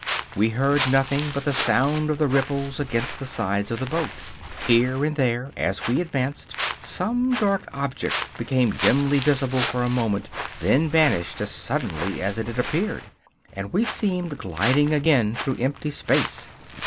We heard nothing but the sound of the ripples against the sides of the boat. Here and there, as we advanced, some dark object became dimly visible for a moment, then vanished as suddenly as it had appeared, and we seemed gliding again through empty space.